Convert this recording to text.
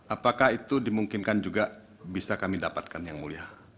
apakah itu dimungkinkan juga bisa kami dapatkan yang mulia